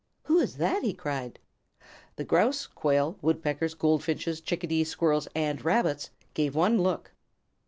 "Who is that?" he cried. The Grouse, Quail, Woodpeckers, Goldfinches, Chickadees, Squirrels, and Rabbits gave one look.